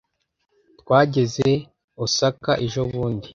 twageze i osaka ejobundi